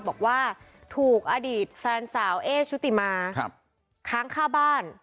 บอกว่าถูกอดีตแฟนสาวเอ๊ชุติมาค้างค่าบ้าน